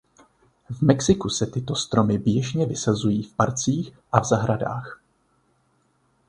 V Mexiku se tyto stromy běžně vysazují v parcích a v zahradách.